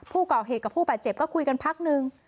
ผู้ก่อเหตุกับผู้บาดเจ็บก็คุยกันพักนึง